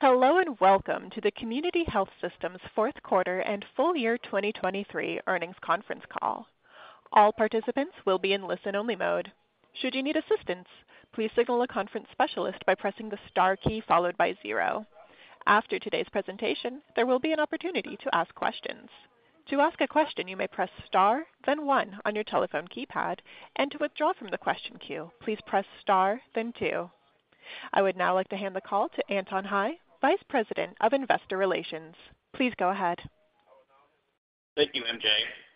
Hello, and welcome to the Community Health Systems' fourth quarter and full year 2023 earnings conference call. All participants will be in listen-only mode. Should you need assistance, please signal a conference specialist by pressing the star key followed by zero. After today's presentation, there will be an opportunity to ask questions. To ask a question, you may press star, then one on your telephone keypad, and to withdraw from the question queue, please press star, then two. I would now like to hand the call to Anton Hie, Vice President of Investor Relations. Please go ahead. Thank you, MJ.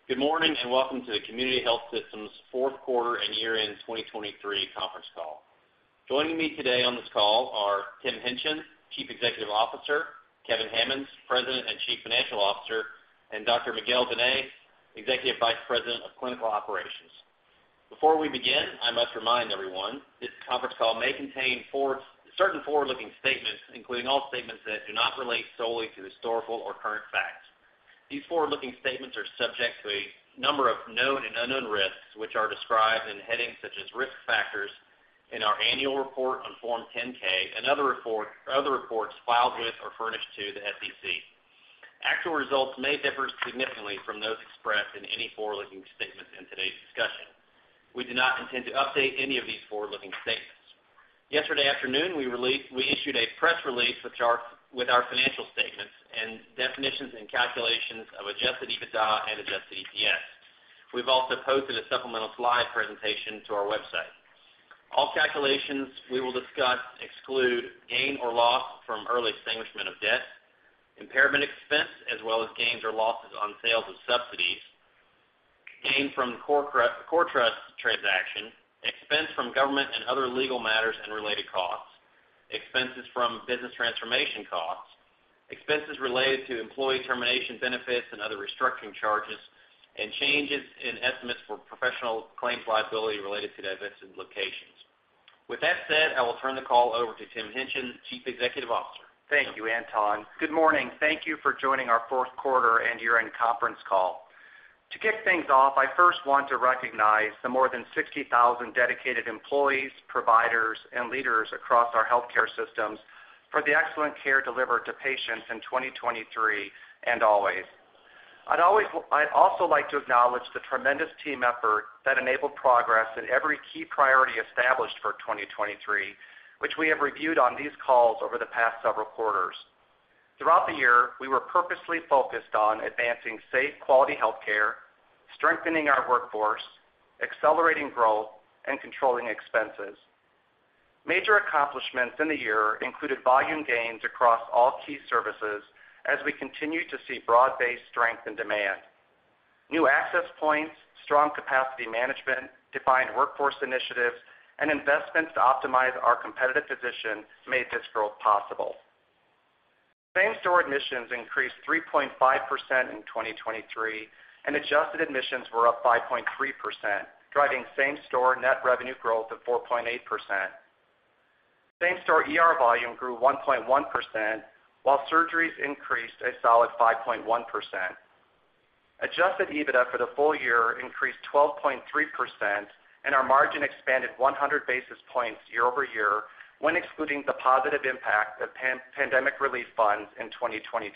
Good morning, and welcome to the Community Health Systems' fourth quarter and year-end 2023 conference call. Joining me today on this call are Tim Hingtgen, Chief Executive Officer; Kevin Hammons, President and Chief Financial Officer; and Dr. Miguel Benet, Executive Vice President of Clinical Operations. Before we begin, I must remind everyone, this conference call may contain forward-looking statements, including all statements that do not relate solely to historical or current facts. These forward-looking statements are subject to a number of known and unknown risks, which are described in headings such as Risk Factors in our Annual Report on Form 10-K and other reports filed with or furnished to the SEC. Actual results may differ significantly from those expressed in any forward-looking statements in today's discussion. We do not intend to update any of these forward-looking statements. Yesterday afternoon, we released—we issued a press release with our, with our financial statements and definitions and calculations of Adjusted EBITDA and adjusted EPS. We've also posted a supplemental slide presentation to our website. All calculations we will discuss exclude gain or loss from early extinguishment of debt, impairment expense, as well as gains or losses on sales of subsidiaries, gain from the CoreTrust transaction, expense from government and other legal matters and related costs, expenses from business transformation costs, expenses related to employee termination benefits and other restructuring charges, and changes in estimates for professional claims liability related to divested locations. With that said, I will turn the call over to Tim Hingtgen, Chief Executive Officer. Thank you, Anton. Good morning. Thank you for joining our fourth quarter and year-end conference call. To kick things off, I first want to recognize the more than 60,000 dedicated employees, providers, and leaders across our healthcare systems for the excellent care delivered to patients in 2023 and always. I'd also like to acknowledge the tremendous team effort that enabled progress in every key priority established for 2023, which we have reviewed on these calls over the past several quarters. Throughout the year, we were purposely focused on advancing safe, quality healthcare, strengthening our workforce, accelerating growth, and controlling expenses. Major accomplishments in the year included volume gains across all key services as we continued to see broad-based strength and demand. New access points, strong capacity management, defined workforce initiatives, and investments to optimize our competitive position made this growth possible. Same-store admissions increased 3.5% in 2023, and adjusted admissions were up 5.3%, driving same-store net revenue growth of 4.8%. Same-store ER volume grew 1.1%, while surgeries increased a solid 5.1%. Adjusted EBITDA for the full year increased 12.3%, and our margin expanded 100 basis points year-over-year when excluding the positive impact of pandemic relief funds in 2022.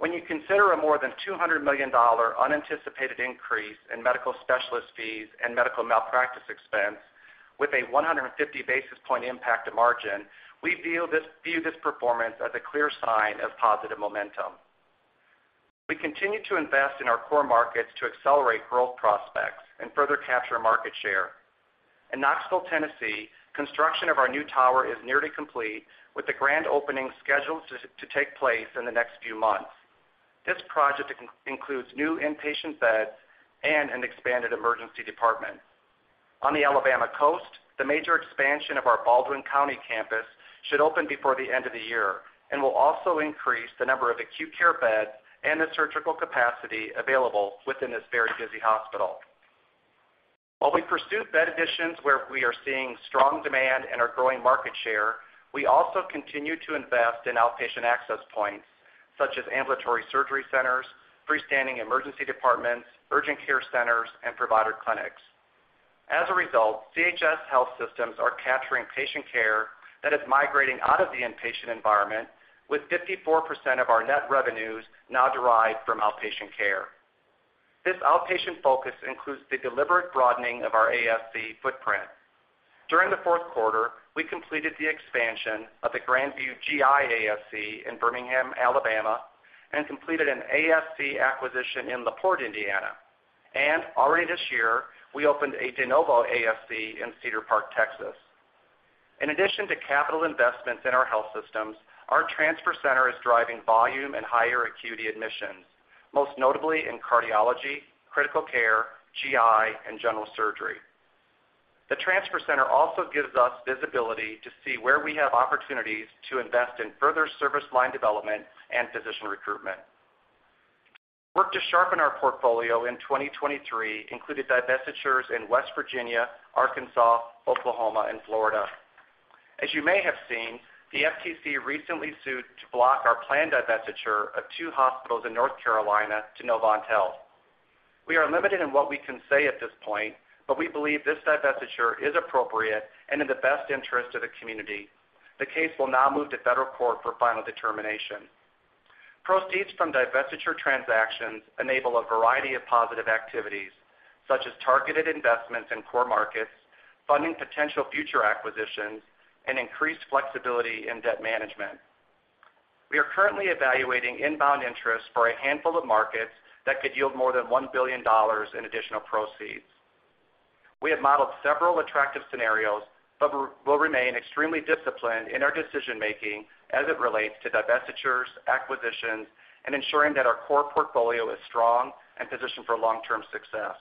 When you consider a more than $200 million unanticipated increase in medical specialist fees and medical malpractice expense with a 150 basis point impact to margin, we view this performance as a clear sign of positive momentum. We continue to invest in our core markets to accelerate growth prospects and further capture market share. In Knoxville, Tennessee, construction of our new tower is nearly complete, with the grand opening scheduled to take place in the next few months. This project includes new inpatient beds and an expanded emergency department. On the Alabama coast, the major expansion of our Baldwin County campus should open before the end of the year and will also increase the number of acute care beds and the surgical capacity available within this very busy hospital. While we pursue bed additions where we are seeing strong demand and are growing market share, we also continue to invest in outpatient access points, such as ambulatory surgery centers, freestanding emergency departments, urgent care centers, and provider clinics. As a result, CHS health systems are capturing patient care that is migrating out of the inpatient environment, with 54% of our net revenues now derived from outpatient care. This outpatient focus includes the deliberate broadening of our ASC footprint. During the fourth quarter, we completed the expansion of the Grandview GI ASC in Birmingham, Alabama, and completed an ASC acquisition in La Porte, Indiana. Already this year, we opened a de novo ASC in Cedar Park, Texas. In addition to capital investments in our health systems, our transfer center is driving volume and higher acuity admissions, most notably in cardiology, critical care, GI, and general surgery. The transfer center also gives us visibility to see where we have opportunities to invest in further service line development and physician recruitment. Work to sharpen our portfolio in 2023 included divestitures in West Virginia, Arkansas, Oklahoma, and Florida. As you may have seen, the FTC recently sued to block our planned divestiture of two hospitals in North Carolina to Novant Health. We are limited in what we can say at this point, but we believe this divestiture is appropriate and in the best interest of the community. The case will now move to federal court for final determination. Proceeds from divestiture transactions enable a variety of positive activities, such as targeted investments in core markets, funding potential future acquisitions, and increased flexibility in debt management. We are currently evaluating inbound interest for a handful of markets that could yield more than $1 billion in additional proceeds. We have modeled several attractive scenarios, but we will remain extremely disciplined in our decision-making as it relates to divestitures, acquisitions, and ensuring that our core portfolio is strong and positioned for long-term success.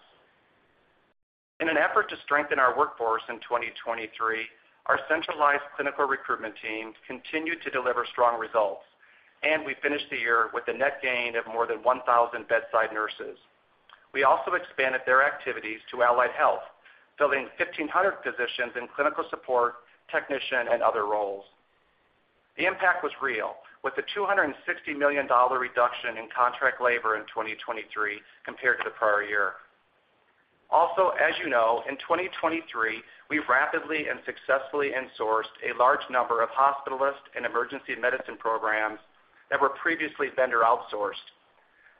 In an effort to strengthen our workforce in 2023, our centralized clinical recruitment team continued to deliver strong results, and we finished the year with a net gain of more than 1,000 bedside nurses. We also expanded their activities to allied health, filling 1,500 positions in clinical support, technician, and other roles. The impact was real, with a $260 million reduction in contract labor in 2023 compared to the prior year. Also, as you know, in 2023, we rapidly and successfully insourced a large number of hospitalist and emergency medicine programs that were previously vendor outsourced.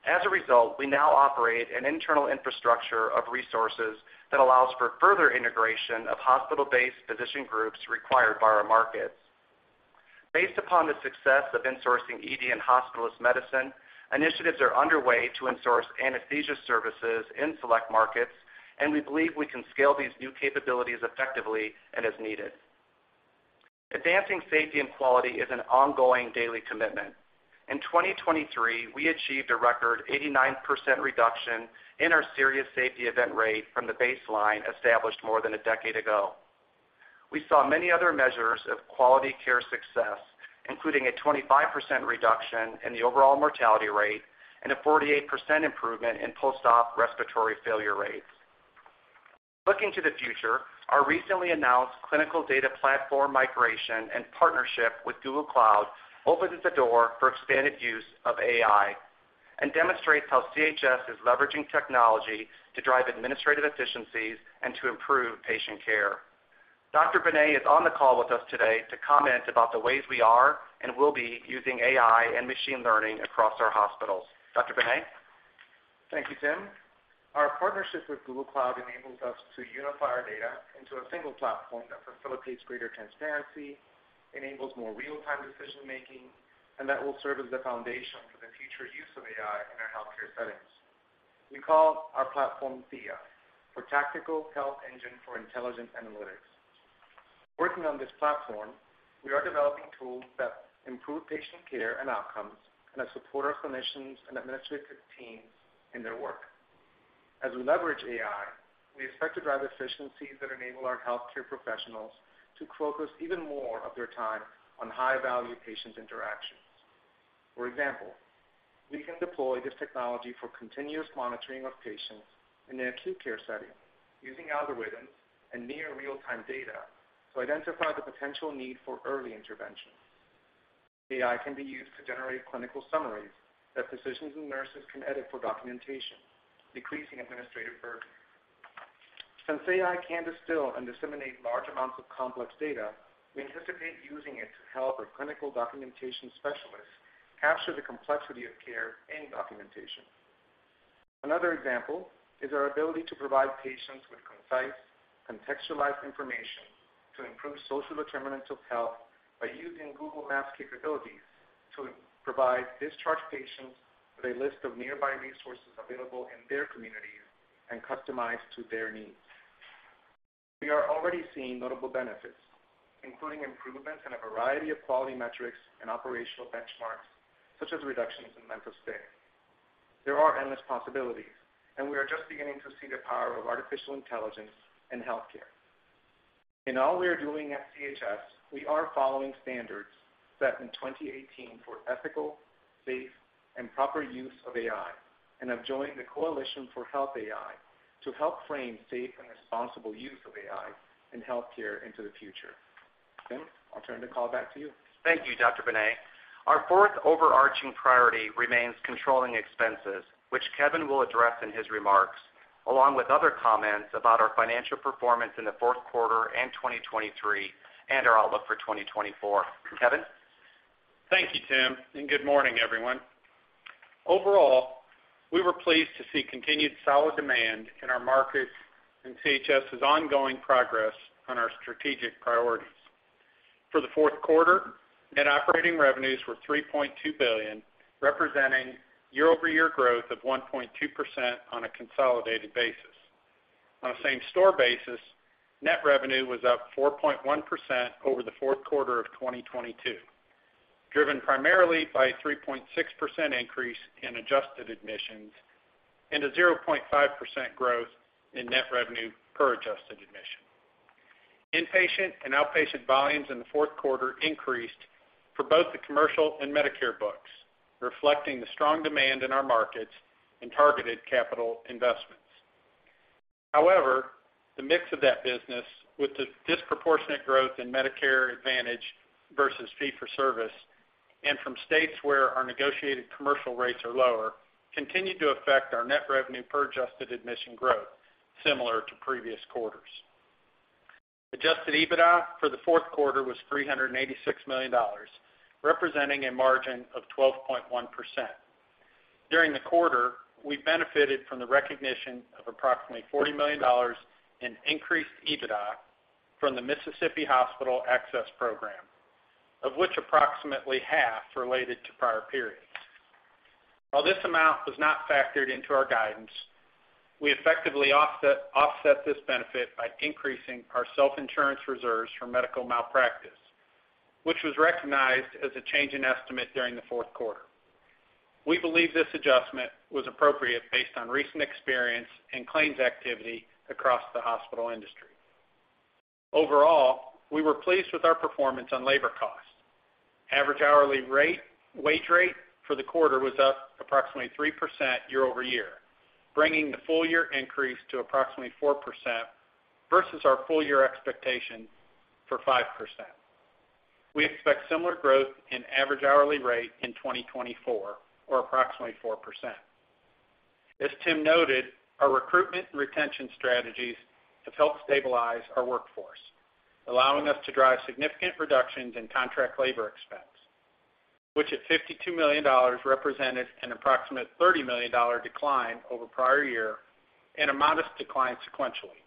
As a result, we now operate an internal infrastructure of resources that allows for further integration of hospital-based physician groups required by our markets. Based upon the success of insourcing ED and hospitalist medicine, initiatives are underway to insource anesthesia services in select markets, and we believe we can scale these new capabilities effectively and as needed. Advancing safety and quality is an ongoing daily commitment. In 2023, we achieved a record 89% reduction in our serious safety event rate from the baseline established more than a decade ago. We saw many other measures of quality care success, including a 25% reduction in the overall mortality rate and a 48% improvement in post-op respiratory failure rates. Looking to the future, our recently announced clinical data platform migration and partnership with Google Cloud opens the door for expanded use of AI and demonstrates how CHS is leveraging technology to drive administrative efficiencies and to improve patient care. Dr. Binay is on the call with us today to comment about the ways we are and will be using AI and machine learning across our hospitals. Dr. Benet? Thank you, Tim. Our partnership with Google Cloud enables us to unify our data into a single platform that facilitates greater transparency, enables more real-time decision-making, and that will serve as the foundation for the future use of AI in our healthcare settings. We call our platform THEIA, for Tactical Health Engine for Intelligent Analytics. Working on this platform, we are developing tools that improve patient care and outcomes and that support our clinicians and administrative teams in their work. As we leverage AI, we expect to drive efficiencies that enable our healthcare professionals to focus even more of their time on high-value patient interactions. For example, we can deploy this technology for continuous monitoring of patients in an acute care setting, using algorithms and near real-time data to identify the potential need for early intervention. AI can be used to generate clinical summaries that physicians and nurses can edit for documentation, decreasing administrative burden. Since AI can distill and disseminate large amounts of complex data, we anticipate using it to help our clinical documentation specialists capture the complexity of care in documentation. Another example is our ability to provide patients with concise, contextualized information to improve social determinants of health by using Google Maps capabilities to provide discharged patients with a list of nearby resources available in their communities and customized to their needs. We are already seeing notable benefits, including improvements in a variety of quality metrics and operational benchmarks, such as reductions in length of stay. There are endless possibilities, and we are just beginning to see the power of artificial intelligence in healthcare. In all we are doing at CHS, we are following standards set in 2018 for ethical, safe, and proper use of AI, and have joined the Coalition for Health AI to help frame safe and responsible use of AI in healthcare into the future. Tim, I'll turn the call back to you. Thank you, Dr. Benet. Our fourth overarching priority remains controlling expenses, which Kevin will address in his remarks, along with other comments about our financial performance in the fourth quarter and 2023, and our outlook for 2024. Kevin? Thank you, Tim, and good morning, everyone. Overall, we were pleased to see continued solid demand in our markets and CHS's ongoing progress on our strategic priorities. For the fourth quarter, net operating revenues were $3.2 billion, representing year-over-year growth of 1.2% on a consolidated basis. On a same-store basis, net revenue was up 4.1% over the fourth quarter of 2022, driven primarily by a 3.6% increase in adjusted admissions and a 0.5% growth in net revenue per adjusted admission. Inpatient and outpatient volumes in the fourth quarter increased for both the commercial and Medicare books, reflecting the strong demand in our markets and targeted capital investments.... However, the mix of that business, with the disproportionate growth in Medicare Advantage versus fee-for-service, and from states where our negotiated commercial rates are lower, continued to affect our net revenue per adjusted admission growth, similar to previous quarters. Adjusted EBITDA for the fourth quarter was $386 million, representing a margin of 12.1%. During the quarter, we benefited from the recognition of approximately $40 million in increased EBITDA from the Mississippi Hospital Access Program, of which approximately half related to prior periods. While this amount was not factored into our guidance, we effectively offset this benefit by increasing our self-insurance reserves for medical malpractice, which was recognized as a change in estimate during the fourth quarter. We believe this adjustment was appropriate based on recent experience and claims activity across the hospital industry. Overall, we were pleased with our performance on labor costs. Average hourly rate, wage rate for the quarter was up approximately 3% year-over-year, bringing the full year increase to approximately 4% versus our full year expectation for 5%. We expect similar growth in average hourly rate in 2024, or approximately 4%. As Tim noted, our recruitment and retention strategies have helped stabilize our workforce, allowing us to drive significant reductions in contract labor expense, which at $52 million, represented an approximate $30 million decline over prior year and a modest decline sequentially.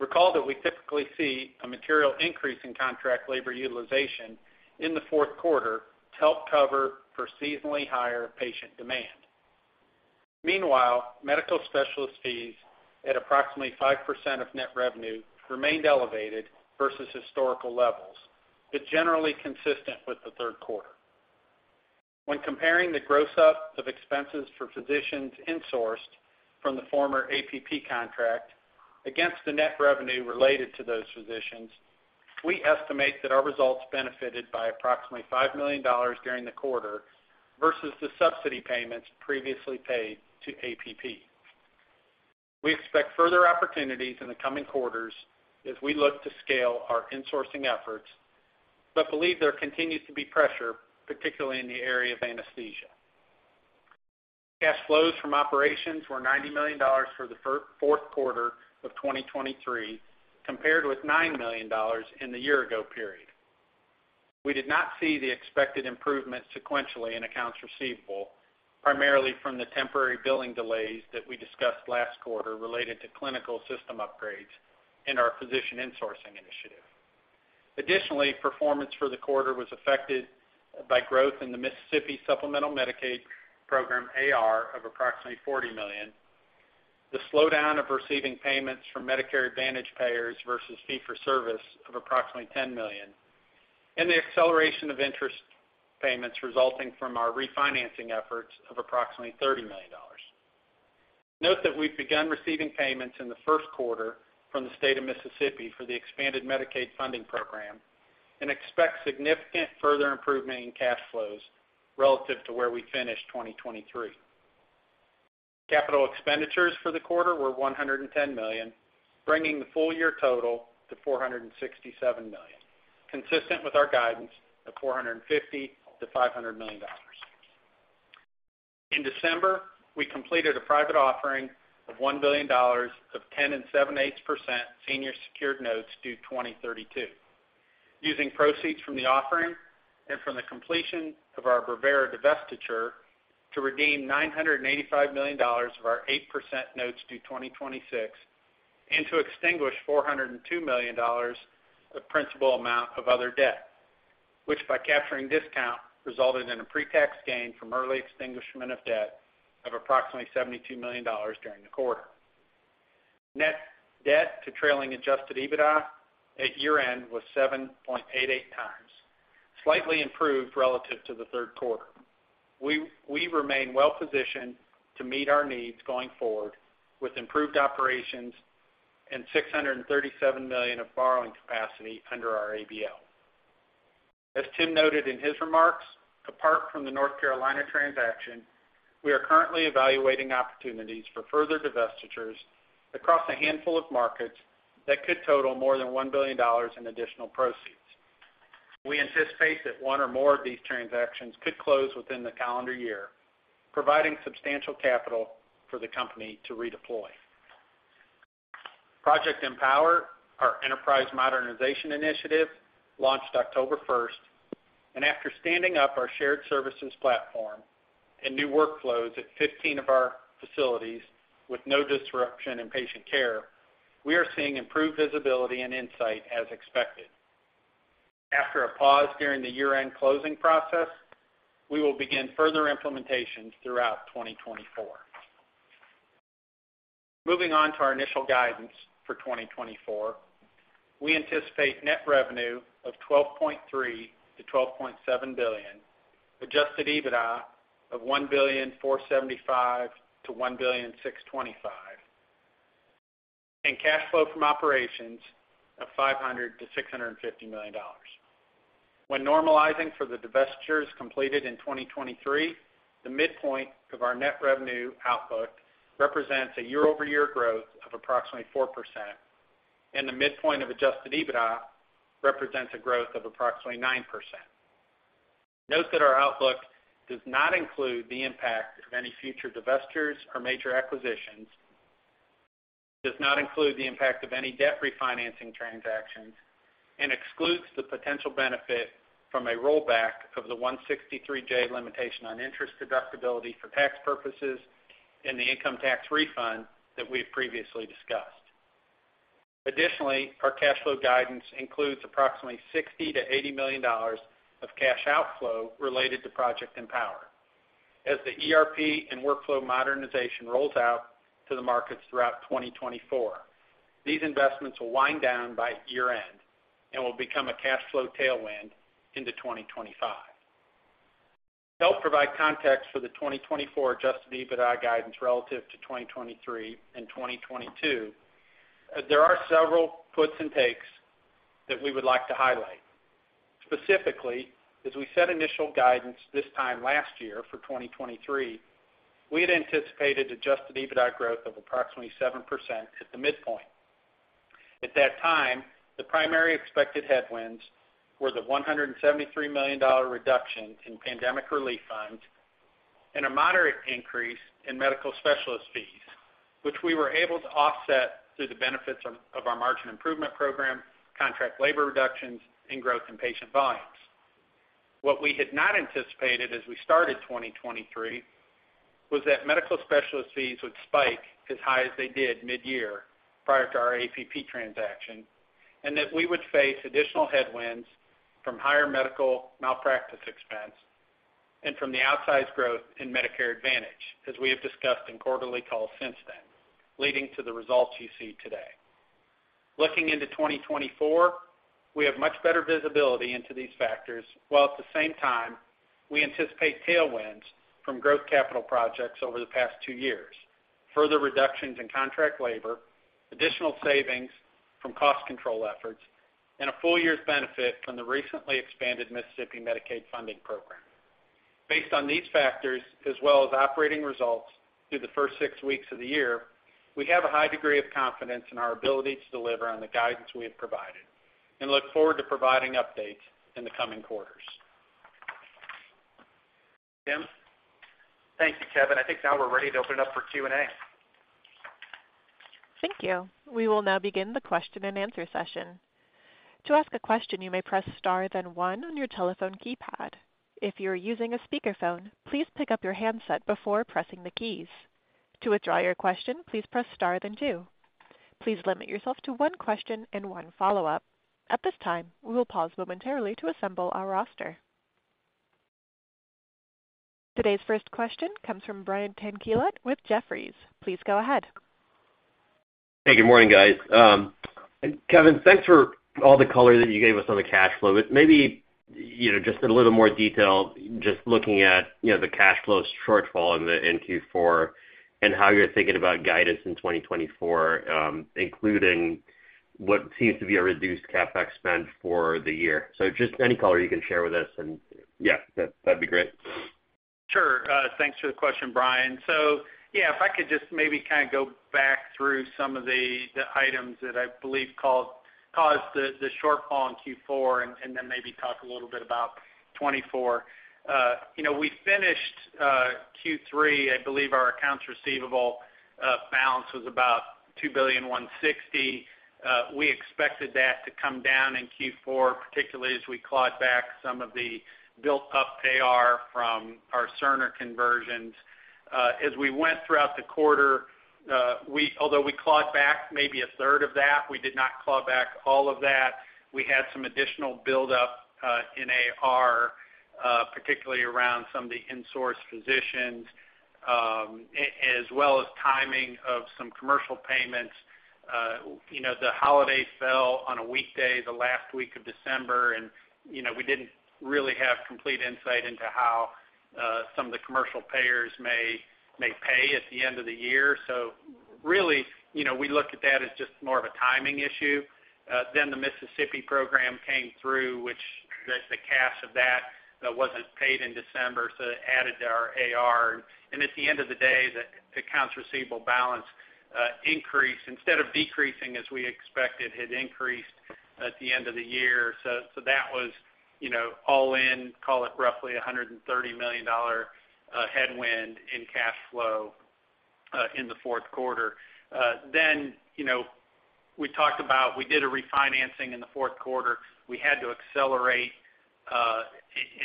Recall that we typically see a material increase in contract labor utilization in the fourth quarter to help cover for seasonally higher patient demand. Meanwhile, medical specialist fees, at approximately 5% of net revenue, remained elevated versus historical levels, but generally consistent with the third quarter. When comparing the gross up of expenses for physicians insourced from the former APP contract against the net revenue related to those physicians, we estimate that our results benefited by approximately $5 million during the quarter versus the subsidy payments previously paid to APP. We expect further opportunities in the coming quarters as we look to scale our insourcing efforts, but believe there continues to be pressure, particularly in the area of anesthesia. Cash flows from operations were $90 million for the fourth quarter of 2023, compared with $9 million in the year ago period. We did not see the expected improvement sequentially in accounts receivable, primarily from the temporary billing delays that we discussed last quarter related to clinical system upgrades and our physician insourcing initiative. Additionally, performance for the quarter was affected by growth in the Mississippi Supplemental Medicaid Program AR of approximately $40 million, the slowdown of receiving payments from Medicare Advantage payers versus fee-for-service of approximately $10 million, and the acceleration of interest payments resulting from our refinancing efforts of approximately $30 million. Note that we've begun receiving payments in the first quarter from the state of Mississippi for the expanded Medicaid funding program and expect significant further improvement in cash flows relative to where we finished 2023. Capital expenditures for the quarter were $110 million, bringing the full year total to $467 million, consistent with our guidance of $450 million-$500 million. In December, we completed a private offering of $1 billion of 10 7/8% senior secured notes due 2032, using proceeds from the offering and from the completion of our Bravera divestiture to redeem $985 million of our 8% notes due 2026, and to extinguish $402 million of principal amount of other debt, which, by capturing discount, resulted in a pre-tax gain from early extinguishment of debt of approximately $72 million during the quarter. Net debt to trailing adjusted EBITDA at year-end was 7.88x, slightly improved relative to the third quarter. We remain well positioned to meet our needs going forward, with improved operations and 637 million of borrowing capacity under our ABL. As Tim noted in his remarks, apart from the North Carolina transaction, we are currently evaluating opportunities for further divestitures across a handful of markets that could total more than $1 billion in additional proceeds. We anticipate that one or more of these transactions could close within the calendar year, providing substantial capital for the company to redeploy. Project Empower, our enterprise modernization initiative, launched October 1, and after standing up our shared services platform and new workflows at 15 of our facilities with no disruption in patient care, we are seeing improved visibility and insight as expected. After a pause during the year-end closing process, we will begin further implementations throughout 2024. Moving on to our initial guidance for 2024, we anticipate net revenue of $12.3 billion-$12.7 billion, Adjusted EBITDA of $1.475 billion-$1.625 billion, and cash flow from operations of $500 million-$650 million. When normalizing for the divestitures completed in 2023, the midpoint of our net revenue outlook represents a year-over-year growth of approximately 4%, and the midpoint of Adjusted EBITDA represents a growth of approximately 9%. Note that our outlook does not include the impact of any future divestitures or major acquisitions, does not include the impact of any debt refinancing transactions, and excludes the potential benefit from a rollback of the 163(j) limitation on interest deductibility for tax purposes and the income tax refund that we've previously discussed. Additionally, our cash flow guidance includes approximately $60 million-$80 million of cash outflow related to Project Empower. As the ERP and workflow modernization rolls out to the markets throughout 2024, these investments will wind down by year-end and will become a cash flow tailwind into 2025. To help provide context for the 2024 adjusted EBITDA guidance relative to 2023 and 2022, there are several puts and takes that we would like to highlight. Specifically, as we set initial guidance this time last year for 2023, we had anticipated adjusted EBITDA growth of approximately 7% at the midpoint. At that time, the primary expected headwinds were the $173 million reduction in pandemic relief funds and a moderate increase in medical specialist fees, which we were able to offset through the benefits of our margin improvement program, contract labor reductions, and growth in patient volumes. What we had not anticipated as we started 2023, was that medical specialist fees would spike as high as they did midyear prior to our APP transaction, and that we would face additional headwinds from higher medical malpractice expense and from the outsized growth in Medicare Advantage, as we have discussed in quarterly calls since then, leading to the results you see today. Looking into 2024, we have much better visibility into these factors, while at the same time, we anticipate tailwinds from growth capital projects over the past two years, further reductions in contract labor, additional savings from cost control efforts, and a full year's benefit from the recently expanded Mississippi Medicaid funding program. Based on these factors, as well as operating results through the first six weeks of the year, we have a high degree of confidence in our ability to deliver on the guidance we have provided, and look forward to providing updates in the coming quarters. Tim? Thank you, Kevin. I think now we're ready to open it up for Q&A. Thank you. We will now begin the question-and-answer session. To ask a question, you may press star, then one on your telephone keypad. If you're using a speakerphone, please pick up your handset before pressing the keys. To withdraw your question, please press star, then two. Please limit yourself to one question and one follow-up. At this time, we will pause momentarily to assemble our roster. Today's first question comes from Brian Tanquilut with Jefferies. Please go ahead. Hey, good morning, guys. Kevin, thanks for all the color that you gave us on the cash flow, but maybe, you know, just a little more detail, just looking at, you know, the cash flow shortfall in the, in Q4 and how you're thinking about guidance in 2024, including what seems to be a reduced CapEx spend for the year. So just any color you can share with us, and yeah, that'd, that'd be great. Sure. Thanks for the question, Brian. So yeah, if I could just maybe kind of go back through some of the items that I believe caused the shortfall in Q4, and then maybe talk a little bit about 2024. You know, we finished Q3, I believe our accounts receivable balance was about $2.16 billion. We expected that to come down in Q4, particularly as we clawed back some of the built-up AR from our Cerner conversions. As we went throughout the quarter, we, although we clawed back maybe a third of that, we did not claw back all of that. We had some additional buildup in AR, particularly around some of the insourced physicians, as well as timing of some commercial payments. You know, the holiday fell on a weekday, the last week of December, and, you know, we didn't really have complete insight into how, some of the commercial payers may pay at the end of the year. So really, you know, we look at that as just more of a timing issue. Then the Mississippi program came through, which the cash of that wasn't paid in December, so it added to our AR. And at the end of the day, the accounts receivable balance increased, instead of decreasing, as we expected, had increased at the end of the year. So that was, you know, all in, call it roughly $130 million headwind in cash flow in the fourth quarter. Then, you know, we talked about, we did a refinancing in the fourth quarter. We had to accelerate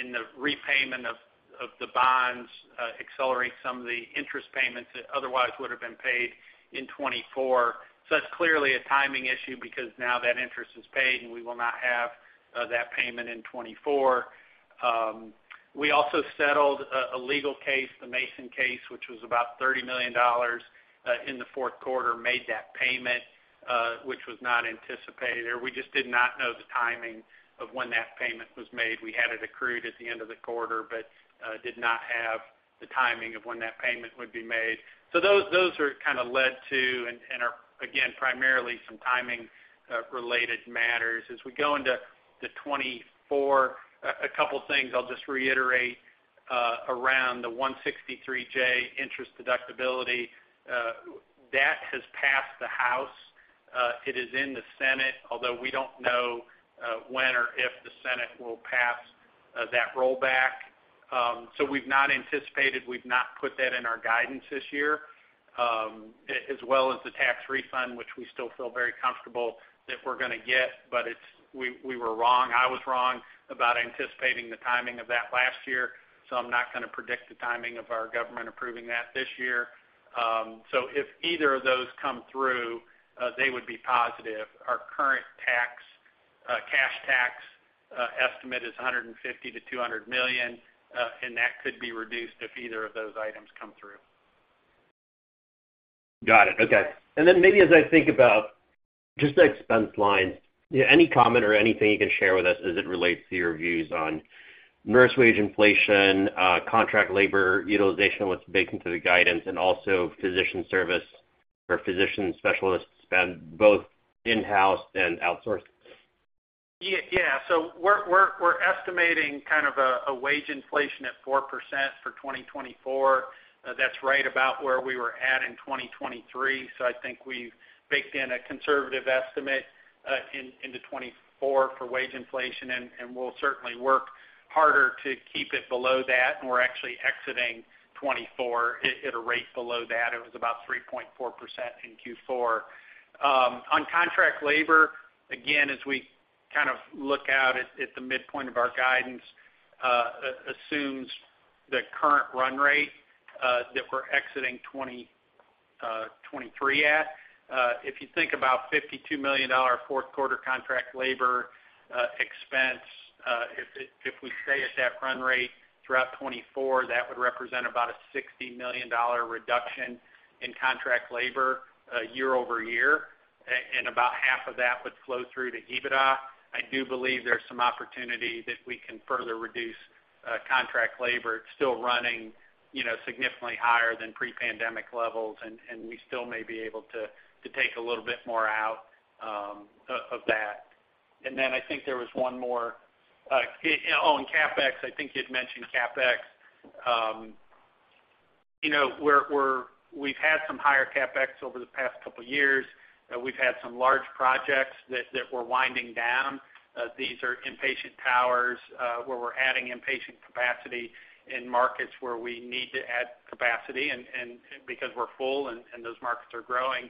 in the repayment of the bonds, accelerate some of the interest payments that otherwise would have been paid in 2024. So that's clearly a timing issue because now that interest is paid, and we will not have that payment in 2024. We also settled a legal case, the Massar case, which was about $30 million in the fourth quarter, made that payment, which was not anticipated, or we just did not know the timing of when that payment was made. We had it accrued at the end of the quarter, but did not have the timing of when that payment would be made. So those are kind of led to and are, again, primarily some timing related matters. As we go into the 2024, a couple things I'll just reiterate.... Around the 163(j) interest deductibility, that has passed the House. It is in the Senate, although we don't know when or if the Senate will pass that rollback. So we've not anticipated, we've not put that in our guidance this year, as well as the tax refund, which we still feel very comfortable that we're gonna get. But it's. We were wrong, I was wrong about anticipating the timing of that last year, so I'm not gonna predict the timing of our government approving that this year. So if either of those come through, they would be positive. Our current tax cash tax estimate is $150 million-$200 million, and that could be reduced if either of those items come through. Got it. Okay. And then maybe as I think about just the expense lines, any comment or anything you can share with us as it relates to your views on nurse wage inflation, contract labor utilization, what's baked into the guidance, and also physician service or physician specialists spend, both in-house and outsourced? Yeah, so we're estimating a wage inflation at 4% for 2024. That's right about where we were at in 2023. So I think we've baked in a conservative estimate into 2024 for wage inflation, and we'll certainly work harder to keep it below that. And we're actually exiting 2024 at a rate below that. It was about 3.4% in Q4. On contract labor, again, as we look out at the midpoint of our guidance, assumes the current run rate that we're exiting 2023 at. If you think about $52 million fourth quarter contract labor expense, if we stay at that run rate throughout 2024, that would represent about a $60 million reduction in contract labor year-over-year, and about half of that would flow through to EBITDA. I do believe there's some opportunity that we can further reduce contract labor. It's still running, you know, significantly higher than pre-pandemic levels, and we still may be able to take a little bit more out of that. And then I think there was one more. And CapEx, I think you'd mentioned CapEx. You know, we've had some higher CapEx over the past couple years. We've had some large projects that we're winding down. These are inpatient towers, where we're adding inpatient capacity in markets where we need to add capacity, and because we're full and those markets are growing.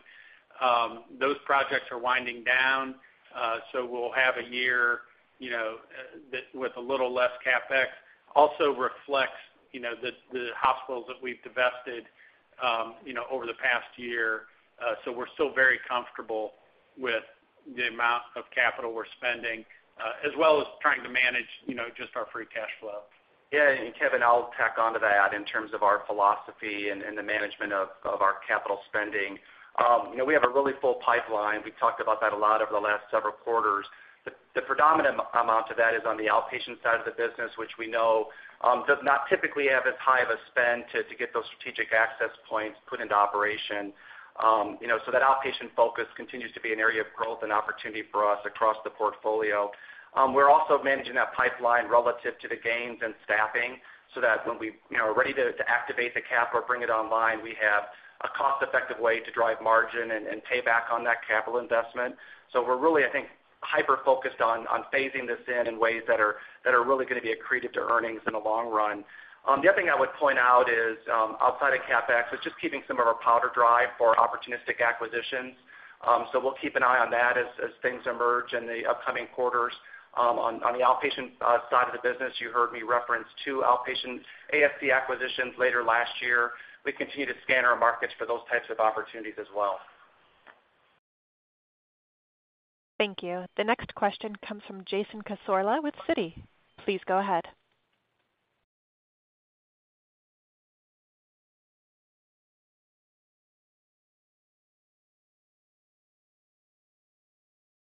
Those projects are winding down, so we'll have a year, you know, that with a little less CapEx. Also reflects, you know, the hospitals that we've divested, you know, over the past year. So we're still very comfortable with the amount of capital we're spending, as well as trying to manage, you know, just our free cash flow. Yeah, and Kevin, I'll tack on to that in terms of our philosophy and the management of our capital spending. You know, we have a really full pipeline. We've talked about that a lot over the last several quarters. The predominant amount to that is on the outpatient side of the business, which we know does not typically have as high of a spend to get those strategic access points put into operation. You know, so that outpatient focus continues to be an area of growth and opportunity for us across the portfolio. We're also managing that pipeline relative to the gains and staffing, so that when we, you know, are ready to activate the cap or bring it online, we have a cost-effective way to drive margin and pay back on that capital investment. So we're really, I think, hyper-focused on phasing this in in ways that are really gonna be accretive to earnings in the long run. The other thing I would point out is, outside of CapEx, just keeping some of our powder dry for opportunistic acquisitions. So we'll keep an eye on that as things emerge in the upcoming quarters. On the outpatient side of the business, you heard me reference two outpatient ASC acquisitions later last year. We continue to scan our markets for those types of opportunities as well. Thank you. The next question comes from Jason Cassorla with Citi. Please go ahead.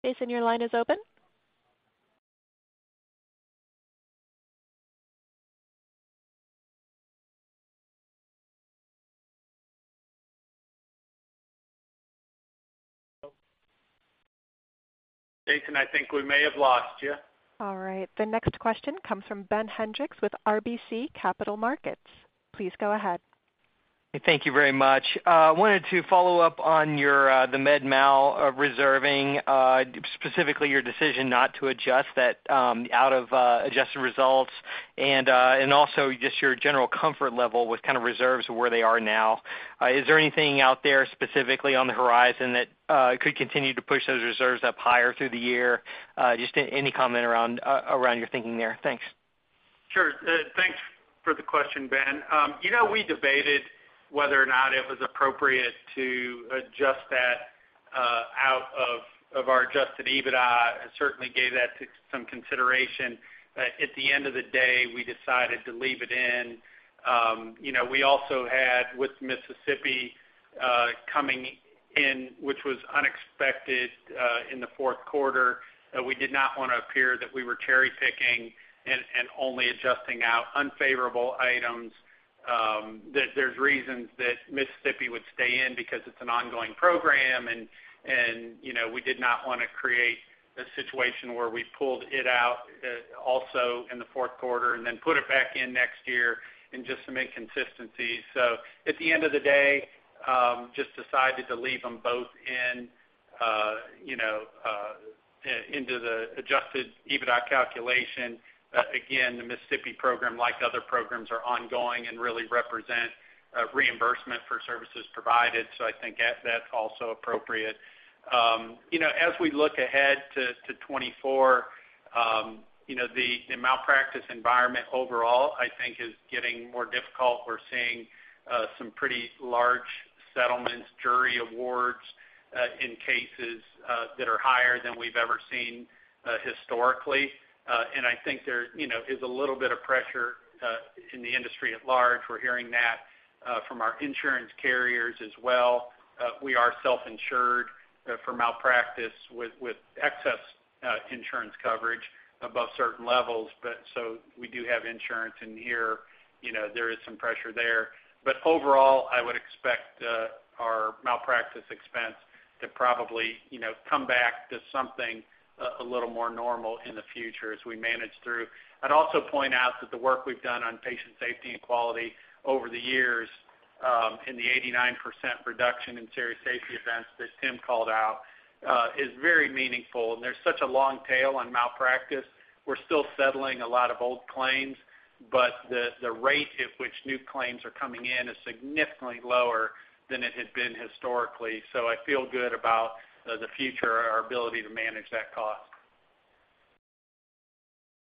Jason, your line is open. Jason, I think we may have lost you. All right. The next question comes from Ben Hendricks with RBC Capital Markets. Please go ahead. Thank you very much. Wanted to follow up on your, the med mal, reserving, specifically your decision not to adjust that, out of, adjusted results, and, and also just your general comfort level with kind of reserves where they are now. Is there anything out there specifically on the horizon that could continue to push those reserves up higher through the year? Just any comment around, around your thinking there? Thanks. Sure. Thanks for the question, Ben. You know, we debated whether or not it was appropriate to adjust that out of our adjusted EBITDA, and certainly gave that to some consideration. At the end of the day, we decided to leave it in. You know, we also had, with Mississippi coming in, which was unexpected in the fourth quarter, we did not want to appear that we were cherry-picking and only adjusting out unfavorable items. That there's reasons that Mississippi would stay in because it's an ongoing program, and you know, we did not want to create a situation where we pulled it out also in the fourth quarter, and then put it back in next year, and just to make consistency. So at the end of the day, just decided to leave them both in, you know, into the Adjusted EBITDA calculation. Again, the Mississippi program, like other programs, are ongoing and really represent reimbursement for services provided, so I think that's also appropriate. You know, as we look ahead to 2024, you know, the malpractice environment overall, I think is getting more difficult. We're seeing some pretty large settlements, jury awards in cases that are higher than we've ever seen historically. And I think there, you know, is a little bit of pressure in the industry at large. We're hearing that from our insurance carriers as well. We are self-insured for malpractice with excess insurance coverage above certain levels, but so we do have insurance, and here, you know, there is some pressure there. But overall, I would expect our malpractice expense to probably, you know, come back to something a little more normal in the future as we manage through. I'd also point out that the work we've done on patient safety and quality over the years in the 89% reduction in serious safety events that Tim called out is very meaningful. And there's such a long tail on malpractice. We're still settling a lot of old claims, but the rate at which new claims are coming in is significantly lower than it had been historically. So I feel good about the future, our ability to manage that cost.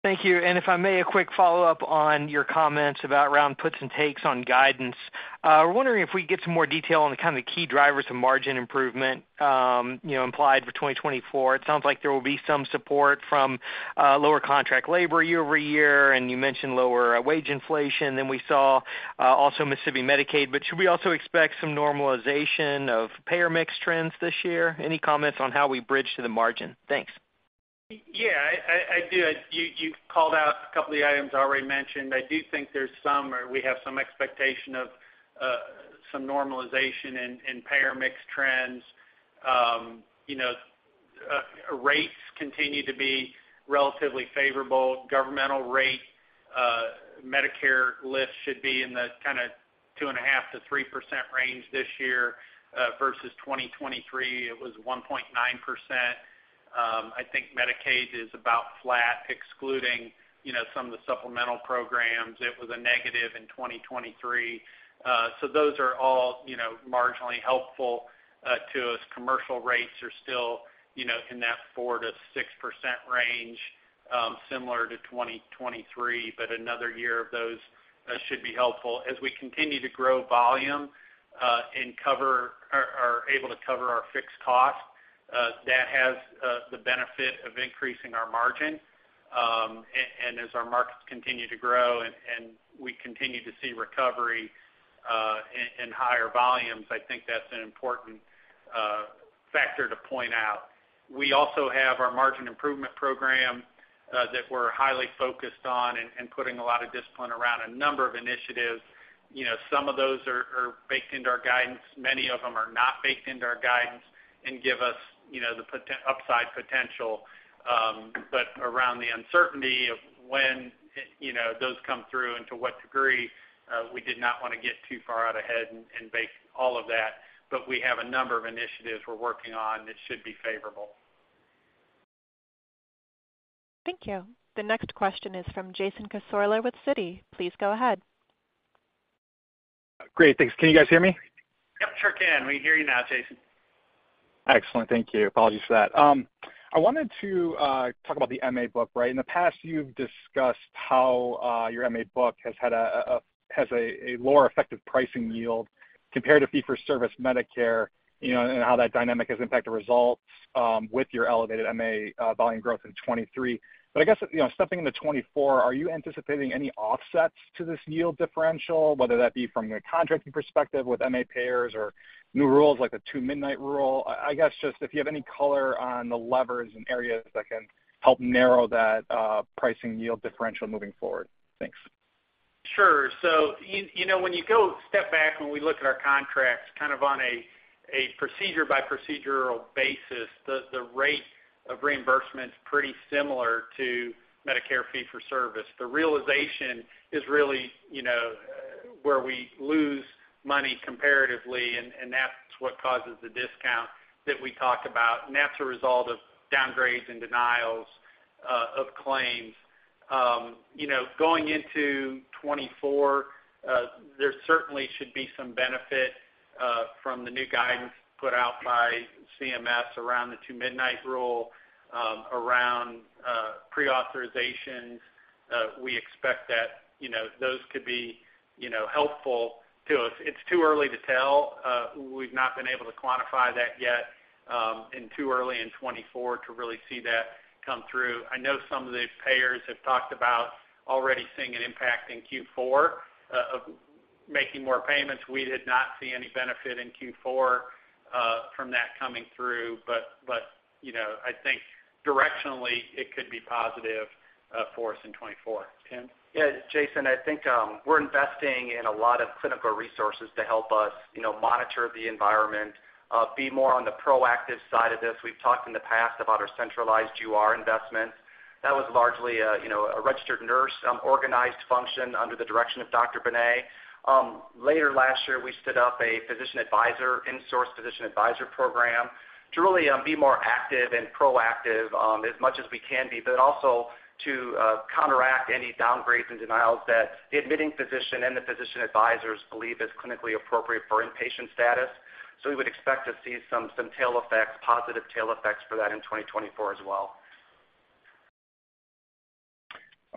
Thank you. And if I may, a quick follow-up on your comments about around puts and takes on guidance. We're wondering if we could get some more detail on the kind of key drivers of margin improvement, you know, implied for 2024. It sounds like there will be some support from lower contract labor year-over-year, and you mentioned lower wage inflation than we saw, also Mississippi Medicaid. But should we also expect some normalization of payer mix trends this year? Any comments on how we bridge to the margin? Thanks. Yeah, I do. You called out a couple of the items I already mentioned. I do think there's some or we have some expectation of some normalization in payer mix trends. You know, rates continue to be relatively favorable. Governmental rate, Medicare lift should be in the kind of 2.5%-3% range this year, versus 2023, it was 1.9%. I think Medicaid is about flat, excluding, you know, some of the supplemental programs. It was a negative in 2023. So those are all, you know, marginally helpful to us. Commercial rates are still, you know, in that 4%-6% range, similar to 2023, but another year of those should be helpful. As we continue to grow volume and able to cover our fixed costs, that has the benefit of increasing our margin. And as our markets continue to grow and we continue to see recovery in higher volumes, I think that's an important factor to point out. We also have our margin improvement program that we're highly focused on and putting a lot of discipline around a number of initiatives. You know, some of those are baked into our guidance. Many of them are not baked into our guidance and give us, you know, the upside potential. But around the uncertainty of when, you know, those come through and to what degree, we did not want to get too far out ahead and bake all of that, but we have a number of initiatives we're working on that should be favorable. Thank you. The next question is from Jason Cassorla with Citi. Please go ahead. Great, thanks. Can you guys hear me? Yep, sure can. We hear you now, Jason. Excellent. Thank you. Apologies for that. I wanted to talk about the MA book, right? In the past, you've discussed how your MA book has had a lower effective pricing yield compared to fee-for-service Medicare, you know, and how that dynamic has impacted results with your elevated MA volume growth in 2023. But I guess, you know, stepping into 2024, are you anticipating any offsets to this yield differential, whether that be from your contracting perspective with MA payers or new rules, like the Two Midnight Rule? I guess, just if you have any color on the levers and areas that can help narrow that pricing yield differential moving forward. Thanks. Sure. So you know, when you go step back, when we look at our contracts, kind of on a procedure-by-procedural basis, the rate of reimbursement's pretty similar to Medicare fee-for-service. The realization is really, you know, where we lose money comparatively, and that's what causes the discount that we talk about, and that's a result of downgrades and denials of claims. You know, going into 2024, there certainly should be some benefit from the new guidance put out by CMS around the Two Midnight Rule, around pre-authorizations. We expect that, you know, those could be, you know, helpful to us. It's too early to tell. We've not been able to quantify that yet, and too early in 2024 to really see that come through. I know some of the payers have talked about already seeing an impact in Q4 of making more payments. We did not see any benefit in Q4 from that coming through. But, you know, I think directionally, it could be positive for us in 2024. Tim? Yeah, Jason, I think, we're investing in a lot of clinical resources to help us, you know, monitor the environment, be more on the proactive side of this. We've talked in the past about our centralized UR investment. That was largely a, you know, a registered nurse, organized function under the direction of Dr. Benet. Later last year, we stood up a physician advisor, insourced physician advisor program, to really, be more active and proactive, as much as we can be, but also to, counteract any downgrades and denials that the admitting physician and the physician advisors believe is clinically appropriate for inpatient status. So we would expect to see some, some tail effects, positive tail effects for that in 2024 as well.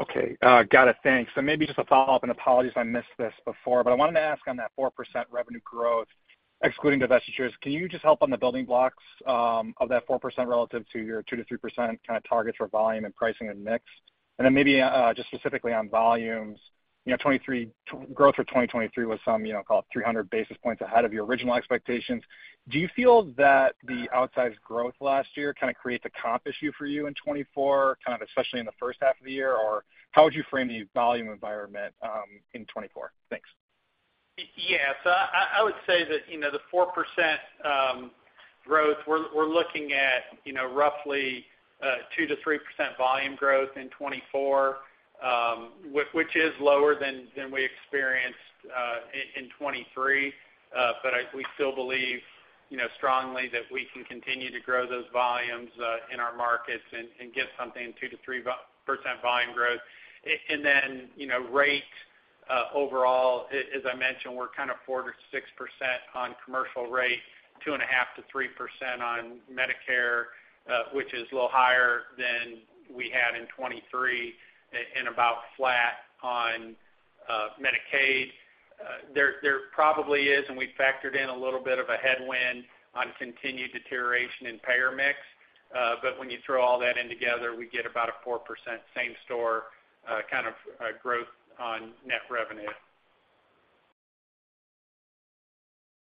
Okay. Got it. Thanks. So maybe just a follow-up, and apologies if I missed this before, but I wanted to ask on that 4% revenue growth, excluding divestitures, can you just help on the building blocks, of that 4% relative to your 2%-3% kind of targets for volume and pricing and mix? And then maybe, just specifically on volumes, you know, 2023 growth for 2023 was some, you know, call it 300 basis points ahead of your original expectations. Do you feel that the outsized growth last year kind of creates a comp issue for you in 2024, kind of, especially in the first half of the year? Or how would you frame the volume environment, in 2024? Thanks. Yes, I would say that, you know, the 4% growth we're looking at, you know, roughly 2%-3% volume growth in 2024, which is lower than we experienced in 2023. But we still believe, you know, strongly that we can continue to grow those volumes in our markets and get something, 2%-3% volume growth. And then, you know, rate overall, as I mentioned, we're kind of 4%-6% on commercial rate, 2.5%-3% on Medicare, which is a little higher than we had in 2023, and about flat on Medicaid. There probably is, and we've factored in a little bit of a headwind on continued deterioration in payer mix, but when you throw all that in together, we get about a 4% same store kind of growth on net revenue.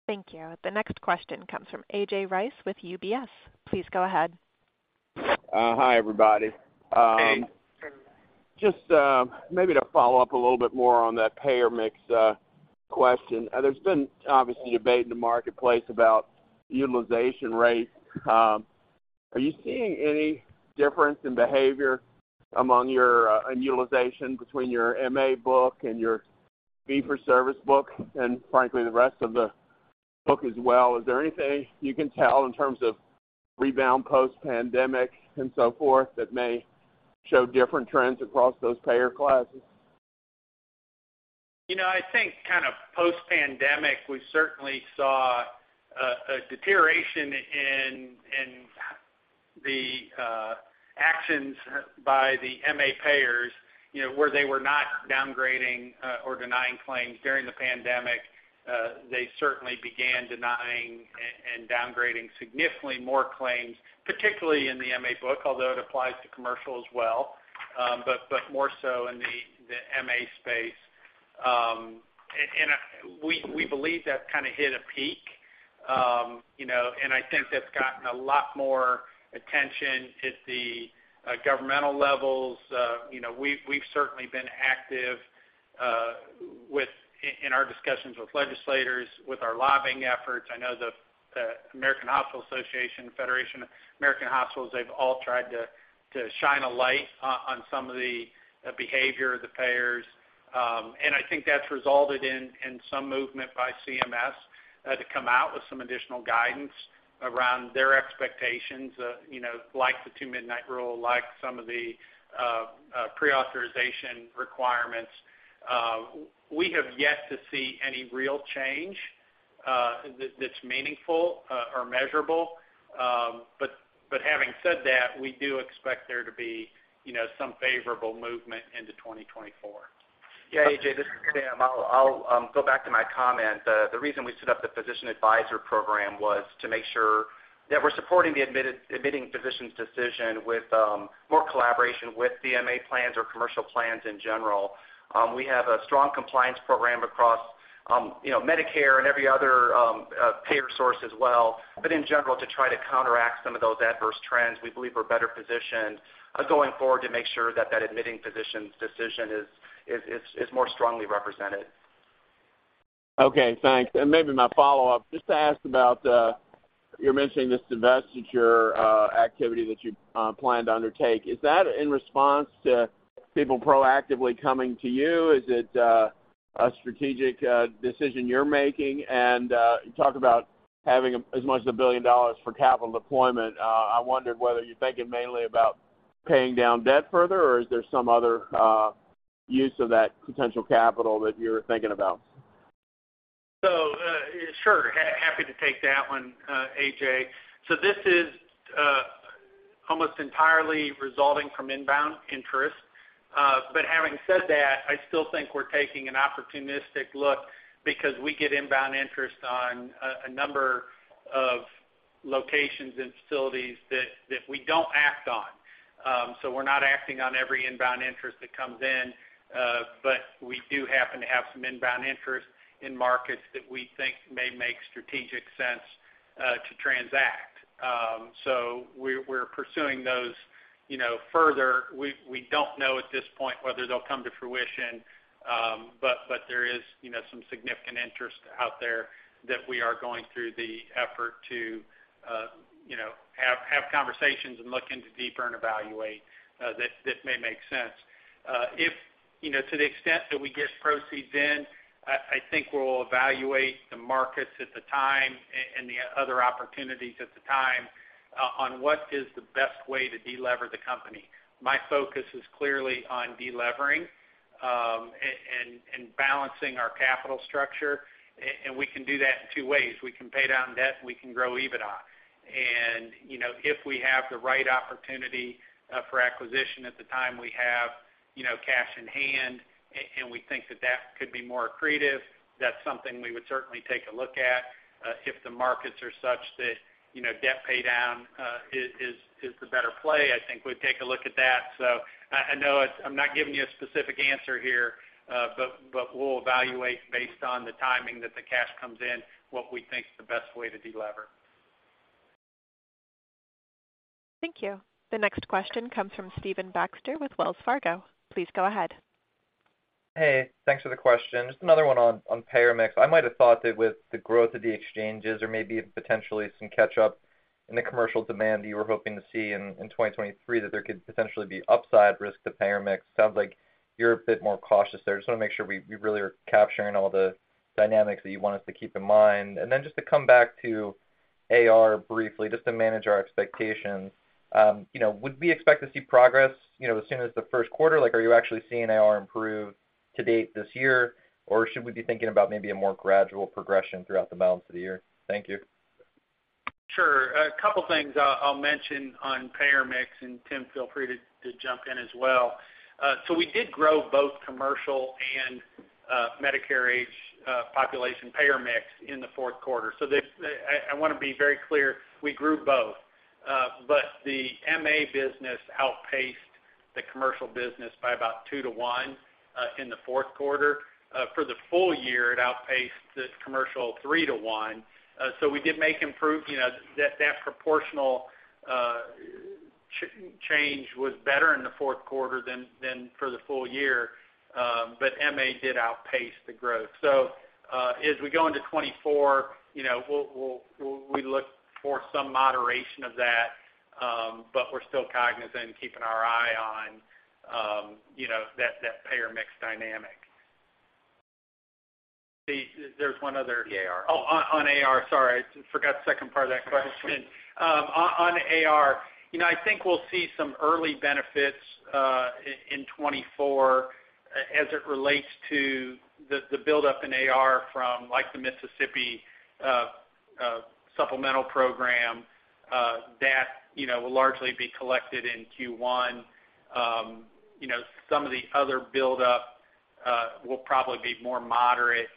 Thank you. The next question comes from A.J. Rice with UBS. Please go ahead. Hi, everybody. Hey. Just, maybe to follow up a little bit more on that payer mix question. There's been obviously debate in the marketplace about utilization rates. Are you seeing any difference in behavior among your in utilization between your MA book and your fee for service book, and frankly, the rest of the book as well? Is there anything you can tell in terms of rebound post-pandemic and so forth, that may show different trends across those payer classes? You know, I think kind of post-pandemic, we certainly saw a deterioration in the actions by the MA payers, you know, where they were not downgrading or denying claims during the pandemic. They certainly began denying and downgrading significantly more claims, particularly in the MA book, although it applies to commercial as well, but more so in the MA space. We believe that's kind of hit a peak. You know, and I think that's gotten a lot more attention at the governmental levels. You know, we've certainly been active in our discussions with legislators, with our lobbying efforts. I know the American Hospital Association, Federation of American Hospitals, they've all tried to shine a light on some of the behavior of the payers. And I think that's resulted in some movement by CMS to come out with some additional guidance around their expectations, you know, like the Two Midnight Rule, like some of the pre-authorization requirements. We have yet to see any real change that's meaningful or measurable. But having said that, we do expect there to be, you know, some favorable movement into 2024. Yeah, AJ, this is Tim. I'll go back to my comment. The reason we set up the physician advisor program was to make sure that we're supporting the admitting physician's decision with more collaboration with the MA plans or commercial plans in general. We have a strong compliance program across, you know, Medicare and every other payer source as well. But in general, to try to counteract some of those adverse trends, we believe we're better positioned going forward to make sure that that admitting physician's decision is more strongly represented. Okay, thanks. And maybe my follow-up, just to ask about, you're mentioning this divestiture activity that you plan to undertake. Is that in response to people proactively coming to you? Is it a strategic decision you're making? And you talk about having as much as $1 billion for capital deployment. I wondered whether you're thinking mainly about paying down debt further, or is there some other use of that potential capital that you're thinking about? So, sure, happy to take that one, AJ. So this is almost entirely resulting from inbound interest. But having said that, I still think we're taking an opportunistic look because we get inbound interest on a number of locations and facilities that we don't act on. So we're not acting on every inbound interest that comes in, but we do happen to have some inbound interest in markets that we think may make strategic sense to transact. So we're pursuing those, you know, further. We don't know at this point whether they'll come to fruition, but there is, you know, some significant interest out there that we are going through the effort to have conversations and look into deeper and evaluate that may make sense. If, you know, to the extent that we get proceeds in, I think we'll evaluate the markets at the time and the other opportunities at the time, on what is the best way to delever the company. My focus is clearly on delevering, and balancing our capital structure, and we can do that in two ways. We can pay down debt, and we can grow EBITDA. And, you know, if we have the right opportunity, for acquisition at the time, we have, you know, cash in hand, and we think that that could be more accretive, that's something we would certainly take a look at. If the markets are such that, you know, debt paydown is the better play, I think we'd take a look at that. So I know I'm not giving you a specific answer here, but we'll evaluate based on the timing that the cash comes in, what we think is the best way to delever. Thank you. The next question comes from Stephen Baxter with Wells Fargo. Please go ahead. Hey, thanks for the question. Just another one on payer mix. I might have thought that with the growth of the exchanges or maybe potentially some catch up in the commercial demand that you were hoping to see in 2023, that there could potentially be upside risk to payer mix. Sounds like you're a bit more cautious there. Just want to make sure we really are capturing all the dynamics that you want us to keep in mind. And then just to come back to AR briefly, just to manage our expectations, you know, would we expect to see progress, you know, as soon as the first quarter? Like, are you actually seeing AR improve to date this year? Or should we be thinking about maybe a more gradual progression throughout the balance of the year? Thank you. Sure. A couple of things I'll mention on payer mix, and Tim, feel free to jump in as well. So we did grow both commercial and Medicare Advantage population payer mix in the fourth quarter. So this, I want to be very clear, we grew both. But the MA business outpaced the commercial business by about 2-to-1 in the fourth quarter. For the full year, it outpaced the commercial 3-to-1. So we did make improve, you know, that proportional change was better in the fourth quarter than for the full year, but MA did outpace the growth. So, as we go into 2024, you know, we'll, we'll, we look for some moderation of that, but we're still cognizant and keeping our eye on, you know, that, that payer mix dynamic. There's one other- The AR. Oh, on AR. Sorry, I forgot the second part of that question. On AR, you know, I think we'll see some early benefits in 2024 as it relates to the buildup in AR from, like, the Mississippi supplemental program that you know will largely be collected in Q1. You know, some of the other buildup will probably be more moderate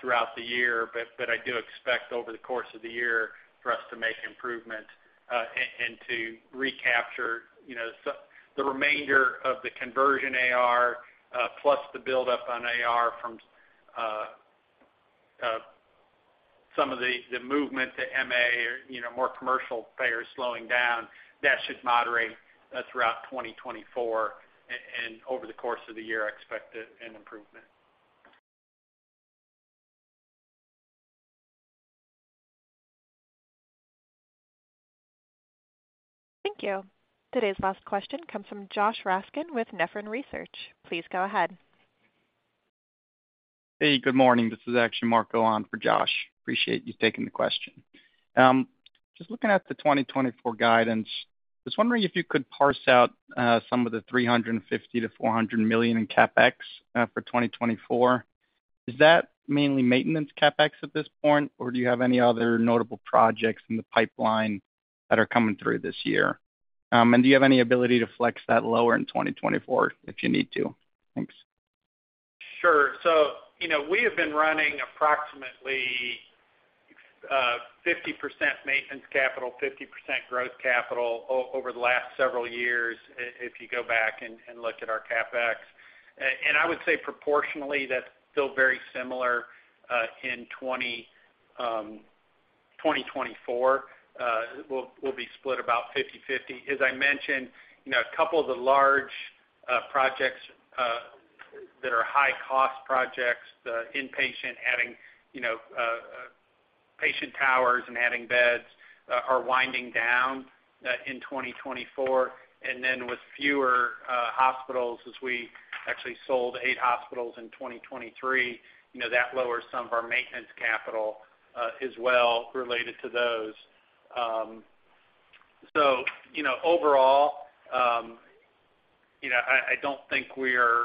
throughout the year, but I do expect over the course of the year for us to make improvement and to recapture, you know, so the remainder of the conversion AR plus the buildup on AR from some of the movement to MA, you know, more commercial payers slowing down, that should moderate throughout 2024. And over the course of the year, I expect an improvement. Thank you. Today's last question comes from Joshua Raskin with Nephron Research. Please go ahead. Hey, good morning. This is actually Marco Gillen for Josh. Appreciate you taking the question. Just looking at the 2024 guidance, just wondering if you could parse out, some of the $350 million-$400 million in CapEx, for 2024. Is that mainly maintenance CapEx at this point, or do you have any other notable projects in the pipeline that are coming through this year? And do you have any ability to flex that lower in 2024, if you need to? Thanks. Sure. So, you know, we have been running approximately 50% maintenance capital, 50% growth capital over the last several years, if you go back and look at our CapEx. And I would say proportionally, that's still very similar in 2024, will be split about 50/50. As I mentioned, you know, a couple of the large projects that are high cost projects, the inpatient adding, you know, patient towers and adding beds are winding down in 2024. And then with fewer hospitals, as we actually sold 8 hospitals in 2023, you know, that lowers some of our maintenance capital as well, related to those. So, you know, overall, I don't think we are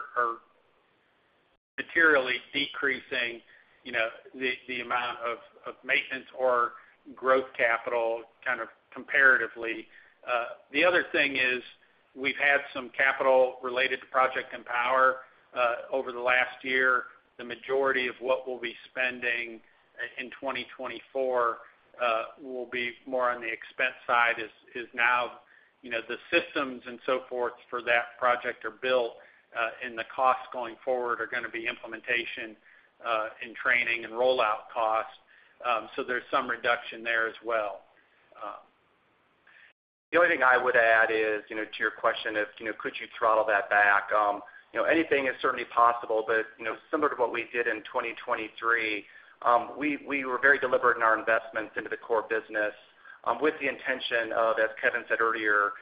materially decreasing, you know, the amount of maintenance or growth capital kind of comparatively. The other thing is we've had some capital related to Project Empower over the last year. The majority of what we'll be spending in 2024 will be more on the expense side, is now you know, the systems and so forth for that project are built, and the costs going forward are gonna be implementation and training and rollout costs. So there's some reduction there as well. The only thing I would add is, you know, to your question of, you know, could you throttle that back? You know, anything is certainly possible, but, you know, similar to what we did in 2023, we were very deliberate in our investments into the core business, with the intention of, as Kevin said earlier,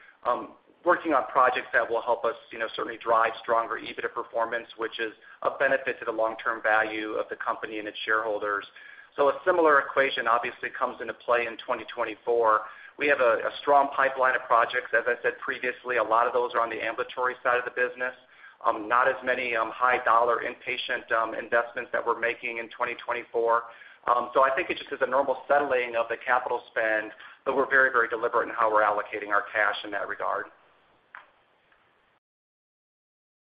working on projects that will help us, you know, certainly drive stronger EBITDA performance, which is a benefit to the long-term value of the company and its shareholders. So a similar equation obviously comes into play in 2024. We have a strong pipeline of projects. As I said previously, a lot of those are on the ambulatory side of the business. Not as many high dollar inpatient investments that we're making in 2024. I think it just is a normal settling of the capital spend, but we're very, very deliberate in how we're allocating our cash in that regard.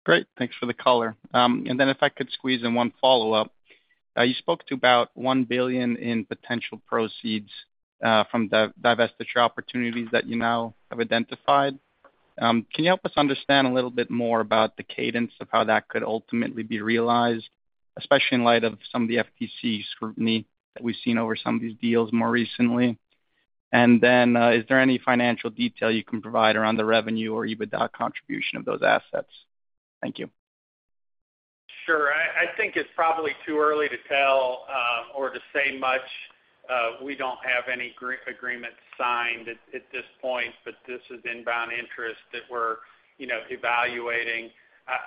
Great. Thanks for the color. If I could squeeze in one follow-up. You spoke to about $1 billion in potential proceeds from the divestiture opportunities that you now have identified. Can you help us understand a little bit more about the cadence of how that could ultimately be realized, especially in light of some of the FTC scrutiny that we've seen over some of these deals more recently? And then, is there any financial detail you can provide around the revenue or EBITDA contribution of those assets? Thank you. Sure. I think it's probably too early to tell, or to say much. We don't have any agreements signed at this point, but this is inbound interest that we're, you know, evaluating.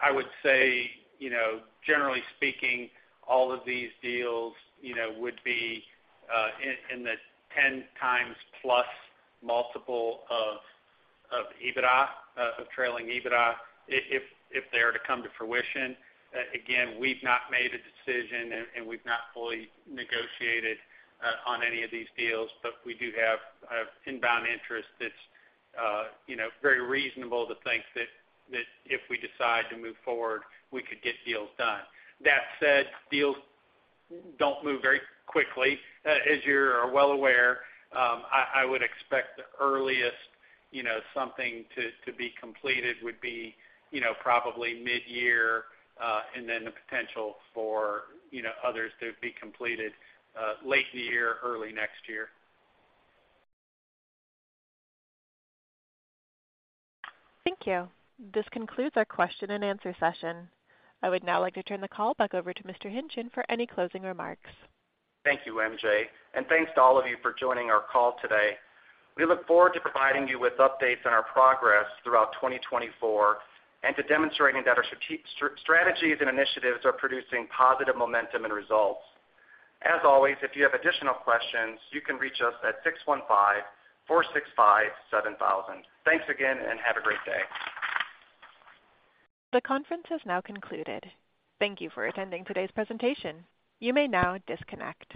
I would say, you know, generally speaking, all of these deals, you know, would be in the 10x plus multiple of EBITDA of trailing EBITDA if they are to come to fruition. Again, we've not made a decision and we've not fully negotiated on any of these deals, but we do have inbound interest that's, you know, very reasonable to think that if we decide to move forward, we could get deals done. That said, deals don't move very quickly. As you're well aware, I would expect the earliest, you know, something to be completed would be, you know, probably mid-year, and then the potential for, you know, others to be completed late in the year or early next year. Thank you. This concludes our question and answer session. I would now like to turn the call back over to Mr. Hingtgen for any closing remarks. Thank you, MJ, and thanks to all of you for joining our call today. We look forward to providing you with updates on our progress throughout 2024 and to demonstrating that our strategies and initiatives are producing positive momentum and results. As always, if you have additional questions, you can reach us at 615-465-7000. Thanks again, and have a great day. The conference has now concluded. Thank you for attending today's presentation. You may now disconnect.